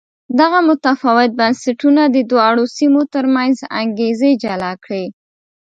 دغه متفاوت بنسټونه د دواړو سیمو ترمنځ انګېزې جلا کړې.